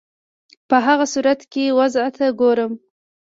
په هغه صورت کې وضع ته ګورم.